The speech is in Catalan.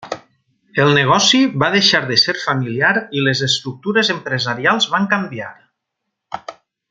El negoci va deixar de ser familiar i les estructures empresarials van canviar.